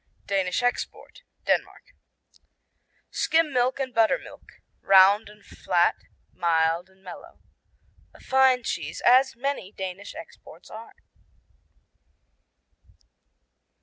Danish Export Denmark Skim milk and buttermilk. Round and flat, mild and mellow. A fine cheese, as many Danish exports are.